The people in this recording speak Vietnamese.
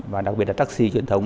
và đặc biệt là taxi truyền thống